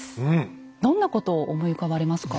どんなことを思い浮かばれますか？